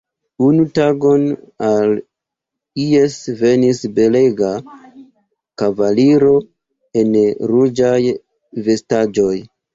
Unu tagon al Is venis belega kavaliro en ruĝaj vestaĵoj.